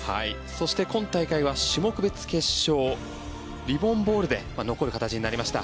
そして今大会は種目別決勝リボン・ボールで残る形になりました。